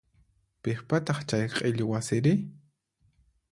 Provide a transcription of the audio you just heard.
Piqpataq chay q'illu wasiri?